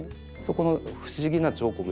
この不思議な彫刻的な。